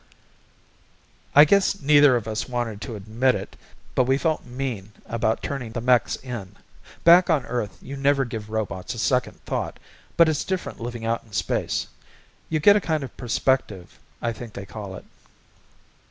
I guess neither of us wanted to admit it but we felt mean about turning the mechs in. Back on Earth you never give robots a second thought but it's different living out in space. You get a kind of perspective I think they call it.